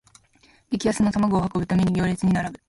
激安の玉子を買うために行列に並ぶ